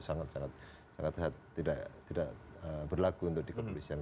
sangat sangat tidak berlaku untuk di kepolisian